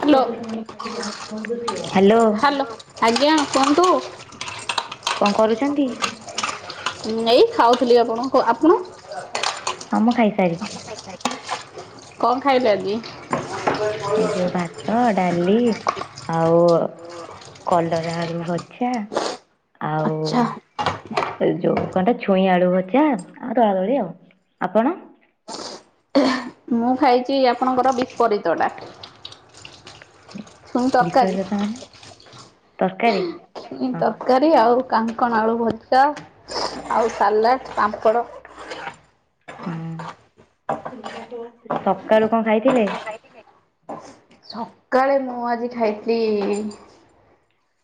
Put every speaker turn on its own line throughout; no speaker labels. Hello
hello.
ଆଜ୍ଞା କୁହନ୍ତୁ?
କଣ କରୁଛନ୍ତି?
ଏଇ ଖାଉଥିଲି ଆପଣ ଆପଣ?
ହଁ ମୁଁ ଖାଇସାରିଛି।
କଣ ଖାଇଲ ଆଜି?
ଏ ଯୋଉଁ ଭାତ ତ ଡ଼ାଲି ଆଉ କଲରା ଆଳୁ ଭଜା।
ଆଚ୍ଛା
ଆଉ ଏ ଯୋଉଁ କଣତ ଛୁଇଁ ଆଳୁ ଭଜା ଆଉ ଦଳାଦଳି ଆଉ ଆପଣ?
ମୁଁ ଖାଇଛି ଆପଣଙ୍କର ବିପରୀତଟା। ଛୁଇଁ ତରକାରୀ।
ବିପରୀତ ମାନେ ତରକାରୀ? ହଁ
ତରକାରୀ ଆଉ କାଙ୍କଣ ଆଳୁ ଭଜା ଆଉ ସାଲାଡ଼ ପାମ୍ପଡ଼।
ହୁଁ ସକାଳୁ କଣ ଖାଇଥିଲେ?
ସକାଳୁ ମୁଁ ଆଜି ଖାଇଥିଲି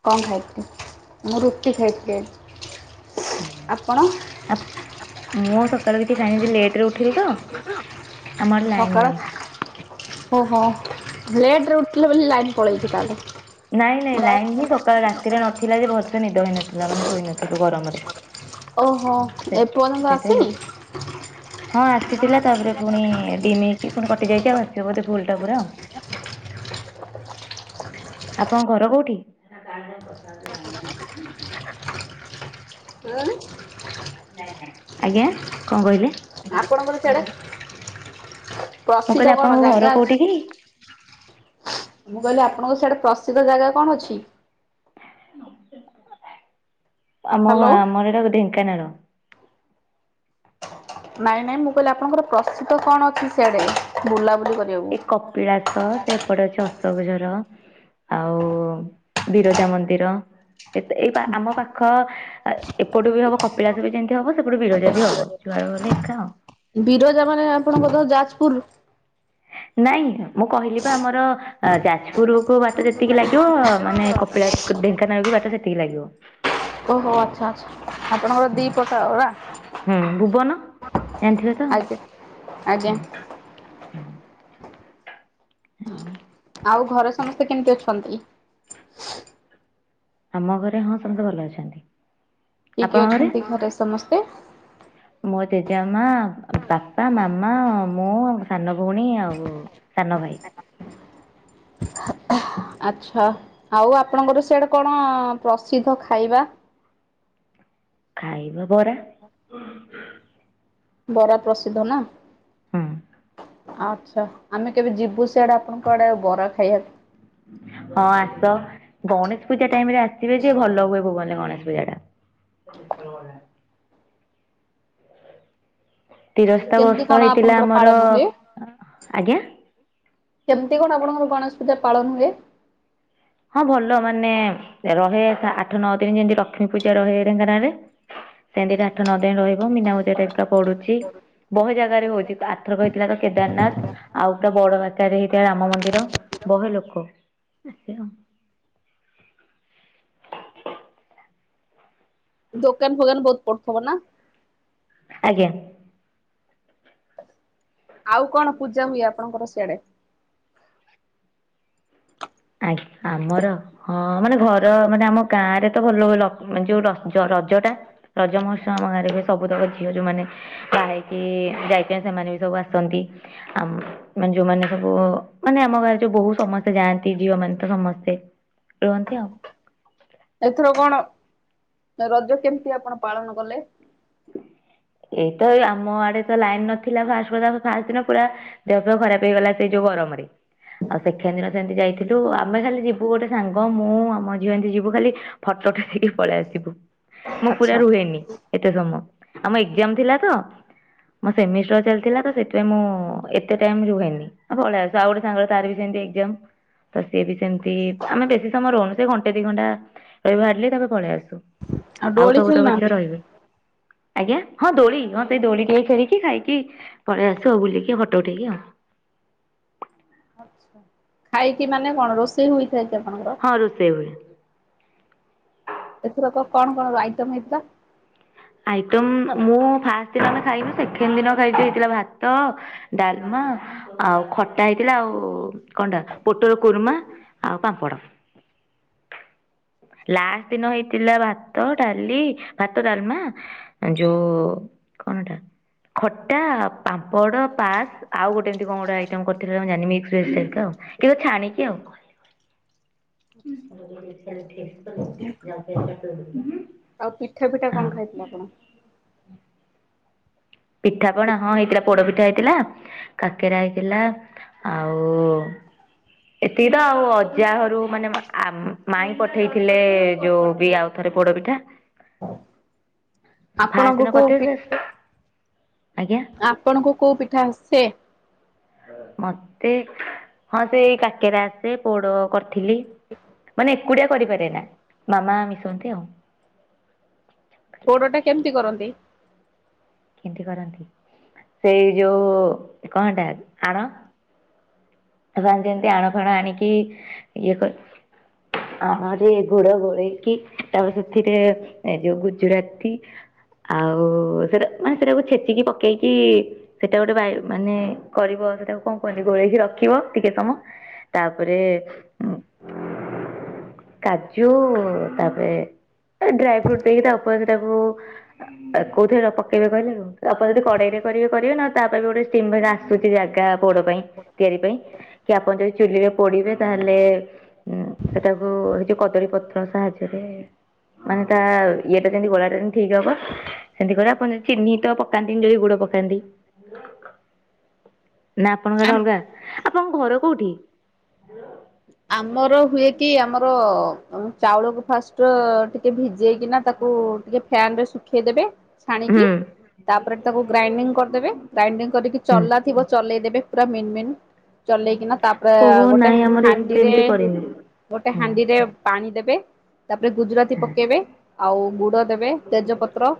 କଣ ଖାଇଥିଲେ ମୁଁ ରୁଟି ଖାଇଥିଲି
ହୁଁ।
ଆପଣ?
ଆ ମୁଁ ଆଉ ସକାଳୁ କିଛି ଖାଇନି ଲେଟ ରେ ଉଠିଲି ତ ଆମ ଆଡେ ଲାଇନ
ସକାଳ
ନାହିଁ
ଓହୋ ଲେଟ ରେ ଉଠିଲେ ବୋଲି ଲାଇନ୍ ପଳେଇଚି ତାହାଲେ
ନାଇଁ ନାଇଁ ଲାଇନ ହିଁ ସକାଳ ରାତିରେ ନଥିଲା ଯେ ଭଲସେ ନିଦ ହେଇନଥିଲା ମାନେ ଶୋଇ ନଥିଲି ଗରମରେ।
ଓହୋ ଏ ପର୍ଯ୍ୟନ୍ତ
ସେଥିପାଇଁ
ଆସିନି?
ଲେଟ ହଁ ଆସିଥିଲା ତାପରେ ପୁଣି ଡିମ ହେଇକି ପୁଣି କଟି ଯାଇଛି ଆଉ ଆସିବ ବୋଧେ ଫୁଲ ଟା ପୁରା ଆଉ। ଆପଣଙ୍କ ଘର କୋଉଁଠି? ଆଜ୍ଞା କଣ କହିଲେ?
ଆପଣଙ୍କର ସିଆଡେ?
ମୁଁ କହିଲି ଆପଣଙ୍କ
ଜାଗା
ଘର
ଅଛି?
କୋଉଁଠି କି?
ମୁଁ କହିଲି ଆପଣଙ୍କ ସିଆଡ଼େ ପ୍ରସିଦ୍ଧ ଜାଗା କଣ ଅଛି?
ଆମ
ହ୍ୟାଲୋ।
ଆମ ଏଇଟା ଢେଙ୍କାନାଳ।
ନାଇଁ ନାଇଁ ମୁଁ କହିଲି ଆପଣଙ୍କର ପ୍ରସିଦ୍ଧ କଣ ଅଛି ସିଆଡେ ବୁଲାବୁଲି କରି
ଏ କପିଳାସ ସେପଟେ ଅଛି ଅଶୋକ ଝର। ଆଉ ବିରଜା ମନ୍ଦିର ଏତ ଏଇ ଆମ ପାଖ ଆ ଏପଟୁ ବି ହବ କପିଳାସ ବି ଯେମିତି ହବ ସେପଟୁ ବିରଜା ବି ହବ। [unintelligible]
ବିରଜା ମାନେ ଆପଣଙ୍କର ଘର ଯାଜପୁର?
ନାଇଁ ମୁଁ କହିଲି ପା ଆମର ଯାଜପୁରୁ କୁ ବା ଟ ଯେତିକି ଲାଗିବ ମାନେ କପିଳାସ ଢେଙ୍କାନାଳ ବି ବାଟ ସେତିକି ଲାଗିବ।
ଓହୋ ଆପଣଙ୍କର
ହୁଁ
ଦି ପ୍ରକାର ରା
ହୁଁ ଭୁବନ ଜାଣିଥିବେ ତ
ଆଜ୍ଞା। ଆଜ୍ଞା
ହଁ। ହୁଁ।
ଆଉ ଘରେ ସମସ୍ତେ କେମିତି ଅଛନ୍ତି?
ଆମ ଘରେ ହଁ ସମସ୍ତେ ଭଲ ଅଛନ୍ତି।
କିଏ କିଏ ଅଛନ୍ତି ଘରେ ସମସ୍ତେ?
ମୋ ଜେଜୋମା, ବାପା, ମାମା ମୁଁ ସାନ ଭଉଣୀ ଆଉ ସାନ ଭାଇ।
ଆଛା ଆଉ ଆପଣଙ୍କର ସେଆଡେ କଣ ପ୍ରସିଦ୍ଧ ଖାଇବା?
ଖାଇବା ବରା
ବରା ପ୍ରସିଦ୍ଧ ନା।
ହଁ।
ଆଛା ଆମେ କେବେ ଯିବୁ ସିଆଡେ ଆପଣଙ୍କ ଆଡେ ବରା ଖାଇବାକୁ।
ହଁ ଆସ ଗଣେଶ ପୂଜା ଟାଇମ ରେ ଆସିବେ ଯିଏ ଭଲ ହୁଏ ଭୁବନେ ଗଣେଶ ପୂଜା ଟା। [inaudible] ତିରସ୍ତା ବର୍ଷ
କେମିତି କଣ
ହେଇଥିଲା
ଆପଣଙ୍କର
ଆମର
ପାଳନ ହୁଏ?
ଆଜ୍ଞା।
କେମିତି କଣ ଆପଣଙ୍କର ଗଣେଶ ପୂଜା ପାଳନ ହୁଏ?
ହଁ ଭଲ ମାନେ ରହେ ଆଠ ନଅ ତିନି ଯେମିତି ଲକ୍ଷ୍ମୀ ପୂଜା ରହେ ଢେଙ୍କାନା ରେ। ସେମିତି ଆଠ ନଅ ଦିନ ରହିବ ମୀନା ବଜାରରେ ଏକା ପଡୁଛି। ବହୁ ଜାଗାରେ ହଉଛି ଆରଥରକ କହିଥିଲା ତ କେଦାରନାଥ ଆଉ ତୋ ବଡ ଭା ତାରେ ହେଇଥିଲା ରାମ ମନ୍ଦିର ବହେ ଲୋକ। ସେ ହଁ। [inaudible]
ଦୋକାନ ଫୋକାନ ବହୁତ ପଡୁଥିବ ନା?
ଆଜ୍ଞା।
ଆଉ କଣ ପୂଜା ହୁଏ ଆପଣଙ୍କର ସିଆଡେ?
ଆଜ୍ଞା ଆମର ହଁ ମାନେ ଘର ମାନେ ଆମ ଗାଁ ରେ ତ ଭଲ ହୁଏ ଲ ଯୋଉ ଯୋଉ ରଜ ଟା। ରଜ ମହତ୍ସମ ଆମ ଗାଁରେ ସବୁ ତକ ଝିଅ ଯୋଉମାନେ ବାହାହେଇକି ଯାଇଛନ୍ତି ସେମାନେ ବି ସବୁ ଆସନ୍ତି। ଆ ମାନେ ଯୋଉମାନେ ସବୁ ମାନେ ଆମ ଗାଁରେ ଯୋଉ ବହୁ ସମସ୍ତେ ଯାଆନ୍ତି ଝିଅ ମାନ ତ ସମସ୍ତେ ରୁହନ୍ତି ଆଉ।
ଏଥର କଣ ରଜ କେମିତି ଆପଣ ପାଳନ କଲେ?
ଏଇତ ଏଇ ଆମ ଆଡେ ତ ଲାଇନ ନଥିଲା ଫାଷ୍ଟ କଥା ଫାଷ୍ଟ ଦିନ ପୁରା ଦେହ ଫେହ ଖରାପ ହେଇଗଲା ସେଇ ଯୋଉ ଗରମ ରେ। ଆଉ ସେକେଣ୍ଡ ଦିନ ସେମିତି ଯାଇଥିଲୁ ଆମେ ଖାଲି ଯିବୁ ଗୋଟେ ସାଙ୍ଗ ମୁଁ ଆମ ଝିଅ ଏମିତି ଯିବୁ ଖାଲି ଫୋଟ ଉଠେଇ ଦେଇକି ପଳେଇ ଆସିବୁ। ମୁଁ ପୁରା ରୁହେନି ଏତେ ସମୟ। ଆମ ଏକ୍ଜାମ ଥିଲା ତ। ମୋ ସେମିଷ୍ଟର ଚାଲିଥିଲା ତ ସେଥିପାଇଁ ମୁଁ ଏତେ ଟାଇମ ରୁହେନି। ଆମେ ପଲେଇ ଆସୁ ଆଉ ଗୋଟେ ସାଙ୍ଗ ତାରବି ସେମିତି ଏକ୍ଜାାମ। ତ ସିଏ ବି ସେମିତି ଆମେ ବେଶୀ ସମୟ ରହୁନୁ ସେ ଘଣ୍ଟେ ଦି ଘଣ୍ଟା ରହୁ ହାର୍ଡଲି ତାପରେ ପଳେଇ ଆସୁ। ଆଉ
ଡୋଳି
ସବୁ ତଙ୍କ
ଖେଳୁନାହାନ୍ତି?
ଝିଅ ରହିବେ। ଆଜ୍ଞା ହଁ ଦୋଳି ହଁ ସେଇ ଦୋଳି ଟିକେ ଖେଳିକି ଖାଇକି ପଳେଇ ଆସୁ ଆଉ ବୁଲିକି ଫଟୋ ଉଠେଇକି ଆଉ।
ଆଛା ଖାଇକି ମାନେ କଣ ରୋଷେଇ ହୋଇଥାଏ କି ଆପଣଙ୍କର?
ହଁ ରୋଷେଇ ହୁଏ।
ଏଥରକ କଣ କଣ ଆଇଟମ ହେଇଥିଲା?
ଆଇଟମ ମୁଁ ଫାଷ୍ଟ ଦିନ ଆମେ ଖାଇନୁ ସେକେଣ୍ଡ ଦିନ ଖାଇଛି ହେଇଥିଲା ଭାତ, ଡାଲମା ଆଉ ଖଟା ହେଇଥିଲା ଆଉ କଣ ଟା ପୋଟଳ କୁର୍ମା ଆଉ ପାମ୍ପଡ଼। ଲାଷ୍ଟ ଦିନ ହେଇଥିଲା ଭାତ, ଡାଲି, ଭାତ, ଡାଲମା ଯୋଉ କଣଏଟା ଖଟା, ପାମ୍ପଡ, ପାସ୍ ଆଉ ଗୋଟେ ଏମିତି କଣ ଗୋଟେ ଆଇଟମ୍ କରିଥିଲେ ଜାଣିନି ମିକ୍ସଭେଜଟାଇପ୍ ର ଆଉ କିନ୍ତୁ ଛାଣିକି ଆଉ। [unintelligible]
ଆଉ ପିଠା ଫିଠା
ଆଉ।
କଣ ଖାଇଥିଲେ ଆପଣ?
ପିଠାପଣା ହଁ ହେଇଥିଲା ପୋଡ଼ପିଠା ହେଇଥିଲା କାକେରା ହେଇଥିଲା ଆଉ ଏତିକି ତ ଆଉ ଅଜା ଘରୁ ମାନେ ମାଇ ପଠେଇଥିଲେ ଯୋଉ ବି ଆଉ ଥରେ ପୋଡପିଠା, ଫାଷ୍ଟ
ଆପଣଙ୍କୁ
ଦିନ
କୋଉ
କରିଥିଲି
ପି
ଯେ ଆଜ୍ଞା।
ଆପଣଙ୍କୁ କୋଉ ପିଠା ଆସେ?
ମତେ ହଁ ସେଇ କାକେରା ଆସେ। ପୋଡ କରି ଥିଲି। ମାନେ ଏକୁଟିଆ କରିପାରେ ନା ମାମା ମିଶନ୍ତି ଆଉ।
ପୋଡ଼ଟା କେମିତି କରନ୍ତି?
କେନ୍ତି କରନ୍ତି? ସେଇ ଯୋଉଁ କଣ ହେଟା ଆଣ ସେମାନେ ଯେମତି ଆଣ ଫାଣ ଆଣିକି ଇଏ କରି। [unintelligible] ସେଥିରେ ଗୁଡ଼ ଘୋଳେଇକି ତାପରେ ସେଥିରେ ଏ ଯୋଉ ଗୁଜୁରାତି ଆଉ ସେଟା ମାନେ ସେଟାକୁ ଛେଚିକି ପକେଇକି ସେଇଟା ଗୋଟେ [unintelligible] ମାନେ କରିବ ସେଟାକୁ କଣ କହନ୍ତି ଗୋଳେଇକି ର ରଖିବ ଟିକେ ସମୟ। ତାପରେ କାଜୁ ତାପରେ ଡ୍ରାଏ ଫ୍ରୁଟ୍ ଦେଇକି ତା ଉପରେ ବି ତାକୁ ଆଉ କୋଉଥିରେ ତାକୁ ପକେଇବେ କହିଲେ ଆପଣ ଯଦି କଡେଇରେ କରିବେ କରିବେ ନହେଲେ ତାପାଇଁ ବି ଗୋଟେ। [unintelligible] ଆସୁଛି ଜାଗା ପୋଡ ପାଇଁ ତିଆରି ପାଇଁ। କି ଆପଣ ଯଦି ଚୁଲିରେ ପୋଡିବେ ତାହେଲେ ହୁଁ ସେଟାକୁ ହେଇ ଯୋଉ କଦଳୀ ପତ୍ର ସାହାଯ୍ୟରେ ମାନେ ତା ଇଏଟା ଯେମତି ଗୋଳାଟା ଯେମତି ଠିକ୍ ହବ। ସେମତି କରିବ। ଆପଣ ଯଦି ଚିନି ତ ପକାନ୍ତିନି ଯଦି ଗୁଡ ପକାନ୍ତି ନା ଆପଣଙ୍କ ଆଡେ
ଆମ
ଅଲଗା। ଆପଣଙ୍କ ଘର କୋଉଠି? ହୁଁ
ଆମର ହୁଏ କି ଆମର ଚାଉଳକୁ ଫାଷ୍ଟ ଟିକେ ଭିଜେଇକିନା ତାକୁ ଟିକେ ଫ୍ୟାନ୍ ରେ ଶୁଖେଇଦେବେ।
ହୁଁ
ଛାଣିକି। ତାପରେ ତାକୁ ଗ୍ରାଇଣ୍ଡିଂ କରିଦେବେ। ଗ୍ରାଇଣ୍ଡିଂ କରିକି
ହୁଁ
ଚଲା ଥିବ ଚଲେଇଦେବେ। ପୁରା ମେନ୍ ମେନ୍ ଚଲେଇକିନା ତାପରେ
ଓହୋ
ଗୋଟେ
ନାଇଁ ଆମର ଏତେ
ହାଣ୍ଡିରେ
ଏମିତି କରିନୁ
ଗୋଟେ
ହଁ।
ହାଣ୍ଡି ରେ ପାଣି ଦେବେ ତାପରେ ଗୁଜୁରାତି
ହୁଁ
ପକେଇବେ ଆଉ ଗୁଡ ଦେବେ ତେଜପତ୍ର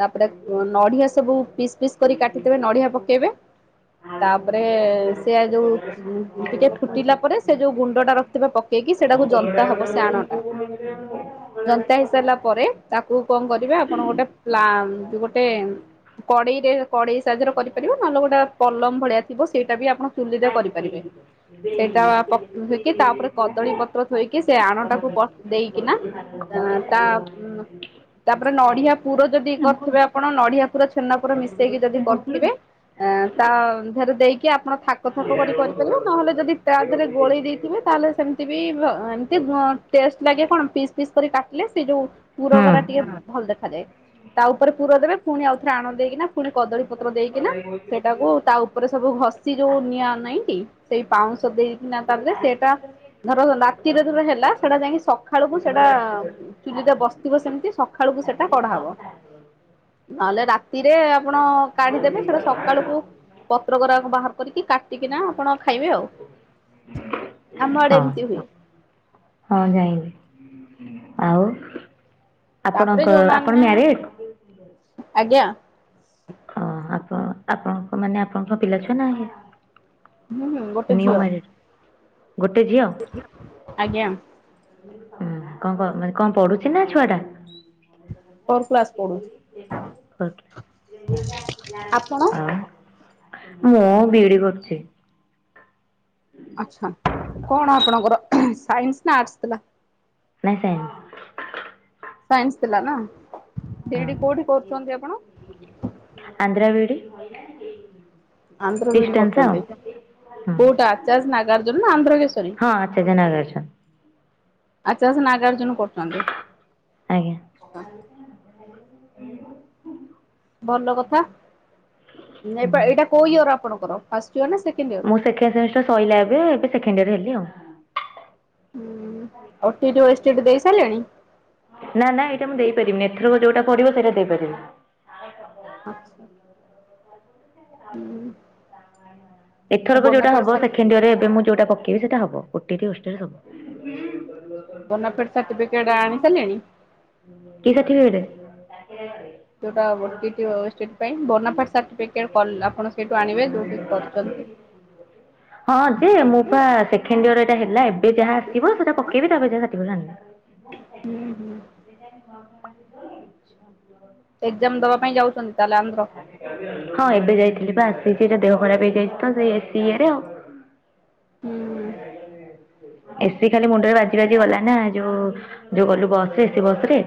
ତାପରେ ନଡିଆ ସବୁ ପିସ୍ ପିସ୍ କରି କାଟିଦେବେ ନଡିଆ ପକେଇବେ। ତାପରେ ସେଆ ଯୋଉ ଟିକେ ଫୁଟିଲା ପରେ ସେ ଯୋଉ ଗୁଣ୍ଡ ଟା ରଖିଥିବେ ପକେଇକି ସେଇଟାକୁ ଜନ୍ତା ହବ ସେ ଆଣ ଟା। ଜନ୍ତା ହେଇସାରିଲା ପରେ ତାକୁ କଣ କରିବେ ଆପଣ ଗୋଟେ ପ୍ଲା ଗୋଟେ କଡେଇରେ କଡେଇ ସାହାଯ୍ୟରେ କରିପାରିବ। ନହେଲେ ଗୋଟେ ପଲମ ଭଳିଆ ଥିବ ସେଇଟା ବି ଆପଣ ଚୂଲି ରେ କରିପାରିବେ। ସେଇଟା ଦେଇକି ତା ଉପରେ କଦଳୀ ପତ୍ର ଥୋଇକି ସେ ଆଣଟାକୁ ପ ଦେଇକିନା [unintelligible] ତାପରେ ନଡିଆ ପୁର ଯଦି କରିଥିବେ ଆପଣ ନଡିଆ ପୁର ଛେନା ପୁର ମିଶେଇକି ଯଦି କରିଥିବେ ଆଁ ତା ଦେହରେ ଦେଇକି ଆପଣ ଥାକ ଥାକ କରି କରିପାରିବେ। ନହେଲେ ଯଦି ତା ଥିରେ ଦେଇଥିବେ ତାହେଲେ ସେମିତି ବି ଏମତି ଟେଷ୍ଟ ଲାଗେ କଣ ପିସ୍ ପିସ୍ କରି କାଟିଲେ ସେ ଯୋଉ ପୁର ଗୁରା ଟିକେ ଭଲ୍ ଦେଖାଯାଏ। ତା ଉପରେ ପୁର ଦେବେ, ପୁଣି ଆଉଥରେ ଆଣ ଦେଇକିନା ପୁଣି କଦଳୀ ପତ୍ର ଦେଇକିନା ସେଟାକୁ ତା ଉପରେ ସବୁ ଘଷି ଯୋଉ ନିଆଁ ନାଇଁକି ସେଇ ପାଉଁଶ ଦେଇ ନା ତାପରେ ସେଟା ଧର ରାତିରେ ଧର ହେଲା ସେଟା ଯାଇକି ସକାଳକୁ ସେଟା ଚୁଲିରେ ବସିଥିବ ସେମିତି ସଖାଳକୁ ସେଟା କଢାହବ। ନହେଲେ ରାତିରେ ଆପଣ କାଢିଦେବେ। ସେଟା ସକାଳକୁ ପତ୍ର ଗୁରାକୁ ବାହାର କରିକି କାଟିକିନା ଆପଣ ଖାଇବେ ଆଉ।
[inaudible]
ଆମ ଆଡେ
ହଁ
ଏମିତି ହୁଏ।
ହଁ ଯାଇଁଲି। ଆଉ
ତାପରେ
ଆପଣଙ୍କ ଆପଣ
ଯୋଉମାନେ
ମ୍ୟାରେଡ୍?
ଆଜ୍ଞା।
ହଁ ଆପଣ ଆପଣଙ୍କ ମାନେ ଆପଣଙ୍କ ପିଲା ଛୁଆ ନାହିଁ?
ହୁଁ ହୁଁ ଗୋଟେ
ନିଉ
ଝିଅ
ମାରେଡ୍ ଗୋଟେ ଝିଅ।
ଆଜ୍ଞା।
ଓହୋ କଣ ମାନେ କଣ୍ ପଢୁଛି ନା ଛୁଆ ଟା?
ଫୋର୍ କ୍ଲାସ ପଢୁଛି
[inaudible]
ଆପଣ
ମୁଁ ବି ଡି କରୁଚି।
ଆଚ୍ଛା। କଣ ଆପଣଙ୍କର ହ ସାଇନ୍ସ୍ ନା ଆର୍ଟସ୍ ଥିଲା?
ନାଇଁ ସାଇନ୍ସ।
ସାଇନ୍ସ ଥିଲା ନା ବି
ହଁ
ଡି କୋଉଠି କରୁଚନ୍ତି ଆପଣ?
[inaudible]
ଆନ୍ଧ୍ର ବି ଡି
ଡିଷ୍ଟାନ୍ସ ଆଉ
କରୁଚନ୍ତି
ହଁ
କୋଉଟା ଆଚାର୍ଯ୍ୟ ନାଗାର୍ଜୁନ ନା ଆନ୍ଧ୍ରକେଶ୍ୱରୀ?
ହଁ ଆଚାର୍ଯ୍ୟ ନାଗାର୍ଜୁନ।
ଆଚାର୍ଯ୍ୟ ନାଗାର୍ଜୁନ କରୁଚନ୍ତି?
ଆଜ୍ଞା।
ଭଲ କଥା ଏ ପା
ହୁଁ
ଏଇଟା କୋଉ ଇୟର ଆପଣଙ୍କର ଫାଷ୍ଟ୍ ଇୟର ନା ସେଖେଣ୍ଡ୍ ଇୟର?
ମୋର ସେଖେଣ୍ଡ ସେମିଷ୍ଟାର୍ ସଇଲା ଏବେ। ଏବେ ସେଖେଣ୍ଡ ଇୟର୍ ହେଲି ଆଉ।
O T D U S D T ଦେଇ ସାରିଲେଣି?
ନା ନା ଏଇଟା ମୁଁ ଦେଇପାରିବିନି। ଏଥରକ ଯୋଉଟା ପଡିବ ସେଇଟା ଦେଇପାରିବି।
ଆଛା
ଏଥରକ ଯୋଉଟା
ବୋନାଫାଏଡ
ହବ
ସାର୍ଟି
ସେଖେଣ୍ଡିୟରେ ଏବେ ମୁଁ ଯୋଉଟା ପକେଇବି ସେଇଟା ହବ। O T D O S D T. ହବ।
ବୋନାଫେଡ ସାର୍ଟିଫିକେଟ୍ ଆଣି ସାରିଲେଣି?
କି ସାର୍ଟିଫିକେଟେ? [inaudible]
ଯୋଉଟା O T D O S D T. ପାଇଁ ବନାଫାଟ ସାର୍ଟିଫିକେଟ ଫଲ ଆପଣ ସେଇଠୁ ଆଣିବେ ଯୋଉଠି କରିଛନ୍ତି
ହଁ ଯେ ମୁଁ ପା ସେଖେଣ୍ଡ୍ ଇୟର ଏଟା ହେଲା ଏବେ ଯାହା ଆସିବ ସେଟା ପକେଇବି ତାପରେ ଯାହା ସାର୍ଟିଫିକେଟ ଆଣିବି।
ହୁଁ ହୁଁ।
[inaudible]
ଏକ୍ଜାମ୍ ଦବା ପାଇଁ ଯାଉଚନ୍ତି ତାହେଲେ? ଆନ୍ଧ୍ର?
ହଁ ଏବେ ଯାଇଥିଲି ପା ଆସିଚି ଏଇଟା ଦେହ ଖରାପ ହେଇଯାଇଛି। ସିଏ ସିଏର।
ହୁଁ
ଏ ସିି ଖାଲି ମୁଣ୍ଡରେ ବାଜି ବାଜି ଗଲା ନା ଯୋଉ ଯୋଉ ଗଲୁ ବସ୍ ରେ ଏ ସି ବସ୍ ରେ।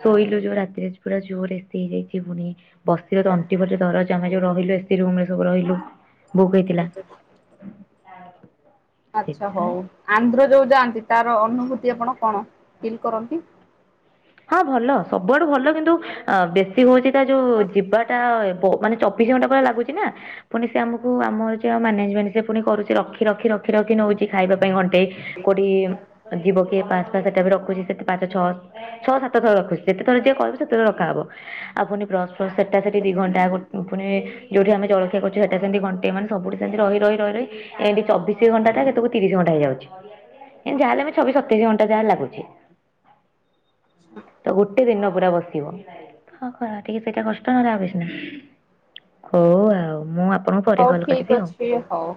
ଶୋଇଲୁ ଯୋଉ ରାତିରେ ପୁରା ଜୋର ଏ ସି ହେଇଯାଇଛି ପୁଣି। ବସିରେ ତଣ୍ଟି ପଣ୍ଟି ଦରଜ ଆମେ ଯୋଉ ରହିଲୁ ଏ ସି ରୁମରେ ସବୁ ରହିଲୁ ବୁକ୍ ହେଇଥିଲା। [inaudible]
ଆଚ୍ଛା ହଉ ଆନ୍ଧ୍ର ଯୋଉ ଯାଆନ୍ତି ତାର ଅନୁଭୂତି ଆପଣ କଣ ଫିଲ୍ କରନ୍ତି?
ହଁ ଭଲ ସବୁଆଡୁ ଭଲ କିନ୍ତୁ ଅ ବେଶୀ ହଉଛି ତା ଯୋଉ ଯିବାଟା ବ ମାନେ ଚବିଶ ଘଣ୍ଟା ପୁରା ଲାଗୁଛି ନା। ପୁଣି ସେ ଆମକୁ ଆମ ଯେ ମ୍ୟାନେଜମେଣ୍ଟ ସେ ପୁଣି କରୁଛି ରଖି ରଖି ରଖି ରଖି ନଉଛି ଖାଇବା ପାଇଁ ଘଣ୍ଟେ। କୋଠି ଯିବ କିଏ ପାସ ପାସ୍ ସେଟା ବି ରଖୁଛି ସେଠେ ପାଞ୍ଚ ଛଅ ଛଅ ସାତ ଥର ରଖୁଛି ଯେତେଥର ଯିଏ କହିବ ସେତେଥର ରଖାହବ ଆହୁରି ପୁଣି ବ୍ରସ୍ ଫ୍ରସ ସେଟା ସେଠି ଦି ଘଣ୍ଟା ପୁଣି ଯେଉଁଠି ଆମେ ଜଳଖିଆ କରୁଛୁ ସେଟା ସେମିତି ଘଣ୍ଟେ ମାନେ ସବୁଠି ସେନ୍ତି ରହି ରହି ରହି ରହି ଏମିତି ଚବିଶ ଘଣ୍ଟ ଟା ସେତକୁ ତିରିଶ ଘଣ୍ଟା ହେଇଯାଉଛି ଏ ଯାହା ହେଲେଆମେ ଛବିଶ ସତେଇଶ ଘଣ୍ଟା ଯାହା ଲାଗୁଛି। ତ ଗୋଟେ ଦିନ ପୁରା ବସିବ ହଁ ଖରା ଟିକେ ସେଇଟା କଷ୍ଟ ନହେଲେ ଆଉ କିଛି ନାହି। ହଉ ଆଉ ମୁଁ ଆପଣଙ୍କୁ ପରେ
ହଉ
କଲ
ଠିକ୍
କରିବି ଆଉ।
ଅଛି ହଉ।